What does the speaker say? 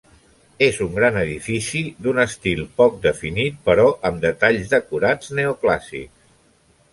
És un gran edifici, d'un estil poc definit però amb detalls decorats neoclàssics.